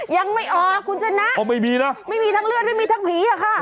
ยังไม่ออกคุณจนนะไม่มีทั้งเลือดไม่มีทั้งผีหรอคะ